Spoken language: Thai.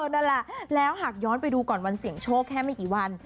นั่นแหละแล้วหากย้อนไปดูก่อนวันเสี่ยงโชคแค่ไม่กี่วัน